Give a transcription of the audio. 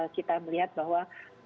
kita melihat bahwa